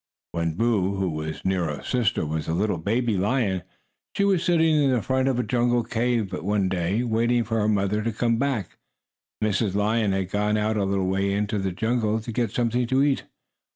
When Boo, who was Nero's sister, was a little baby lion, she was sitting in the front of the jungle cave one day, waiting for her mother to come back. Mrs. Lion had gone out a little way into the jungle to get something to eat.